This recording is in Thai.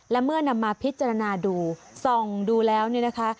และเมื่อนำมาพิจารณาดูส่องดูแล้วเนี่ยนะคะ